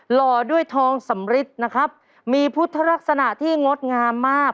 ห่อด้วยทองสำริทนะครับมีพุทธลักษณะที่งดงามมาก